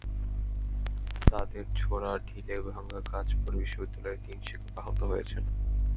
তাদের ছোড়া ঢিলে ভাঙা কাচ পড়ে বিশ্ববিদ্যালয়ের তিন শিক্ষক আহত হয়েছেন।